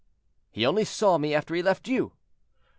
"He only saw me after he left you."